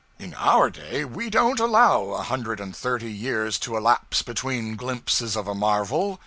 In our day we don't allow a hundred and thirty years to elapse between glimpses of a marvel.